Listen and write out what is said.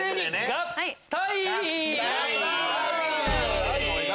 合体！